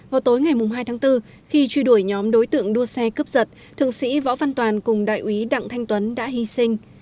vào tối ngày hai tháng bốn khi truy đuổi nhóm đối tượng đua xe cướp giật thượng sĩ võ văn toàn cùng đại úy đặng thanh tuấn đã hy sinh